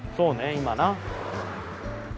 今な。